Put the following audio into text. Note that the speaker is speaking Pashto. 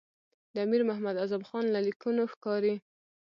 د امیر محمد اعظم خان له لیکونو ښکاري.